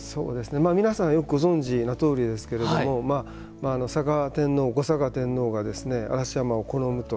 皆さん、よくご存じのとおりですけれども嵯峨天皇、後嵯峨天皇が嵐山を好むと。